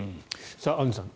アンジュさん